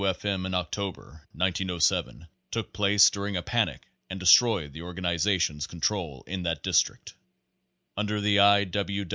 F. M. in October, 1907, took place during a panic and destroyed the or ganization's control in that district. Under the I. W.